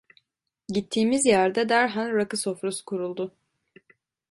Gittiğimiz yerde derhal rakı sofrası kuruldu.